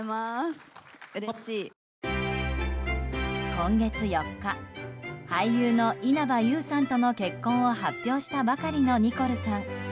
今月４日俳優の稲葉友さんとの結婚を発表したばかりのニコルさん。